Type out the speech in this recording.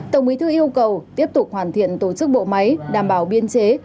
tổng bí thư yêu cầu tiếp tục hoàn thiện tổ chức bộ máy đảm bảo biên chế